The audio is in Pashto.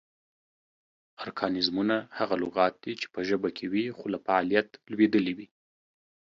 ارکانیزمونه: هغه لغات دي چې پۀ ژبه کې وي خو لۀ فعالیت لویدلي وي